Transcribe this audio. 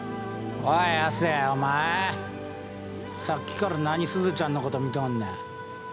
さっきから何すずちゃんのこと見とんねん。